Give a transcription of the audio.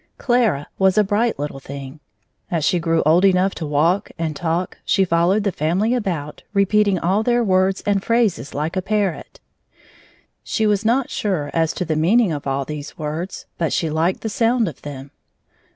Clara was a bright little thing. As she grew old enough to walk and talk, she followed the family about, repeating all their words and phrases like a parrot. She was not sure as to the meaning of all these words, but she liked the sound of them.